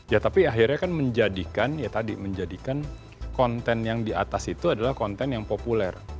ya tapi akhirnya kan menjadikan ya tadi menjadikan konten yang di atas itu adalah konten yang populer